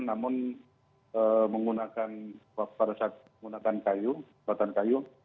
namun menggunakan kayu